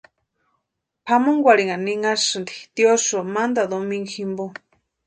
Pʼamonkwarhini ninhasïnti tiosïo mantani domingu jimpo.